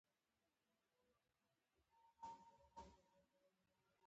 د دوستانو ترمنځ اعتماد اړین دی.